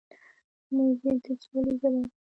موزیک د سولې ژبه ده.